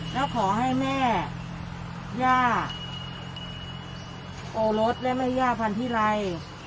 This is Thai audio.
แล้วขอให้แม่ย่าโอรสและแม่ย่าพันธิไร